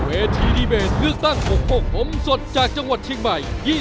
เวทีดีเบตเลือกตั้ง๖๖ผมสดจากจังหวัดเชียงใหม่